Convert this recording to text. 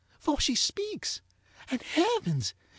for she speaks, and, heavens!